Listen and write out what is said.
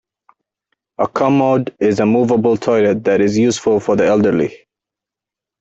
A commode is a movable toilet that is useful for the elderly.